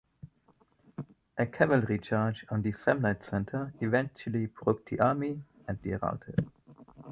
A cavalry charge on the Samnite center eventually broke the army and they routed.